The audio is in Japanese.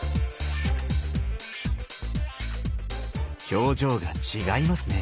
表情が違いますね。